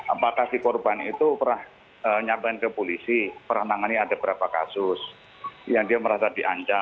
apakah si korban itu pernah nyampein ke polisi pernah menangani ada berapa kasus yang dia merasa diancam